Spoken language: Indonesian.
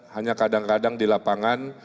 hanya kadang kadang di lapangan